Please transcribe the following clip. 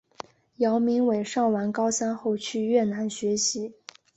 姚明伟上完高三后去越南学习。